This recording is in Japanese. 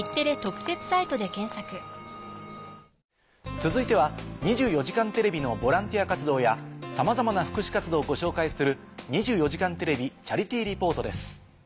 続いては『２４時間テレビ』のボランティア活動やさまざまな福祉活動をご紹介する。